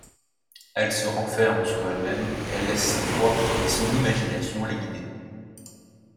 Elle se renferme sur elle-même et laisse sa foi et son imagination la guider.